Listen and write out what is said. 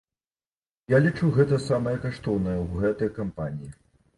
Я лічу, гэта самае каштоўнае ў гэтай кампаніі.